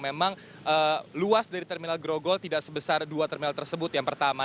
memang luas dari terminal grogol tidak sebesar dua terminal tersebut yang pertama